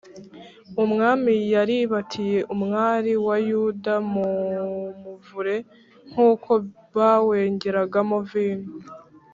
Umwami yaribatiye umwari wa Yuda mu muvure, Nk’uko bawengeragamo vino.